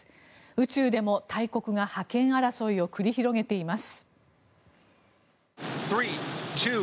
宇宙でも大国が覇権争いを繰り広げています。